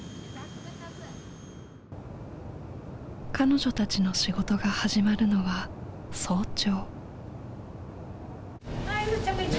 彼女たちの仕事が始まるのは早朝。